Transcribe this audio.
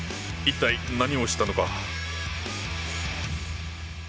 一体何をしたのか？